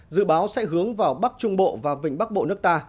dự báo sẽ hướng vào bắc trung bộ và vịnh bắc bộ nước ta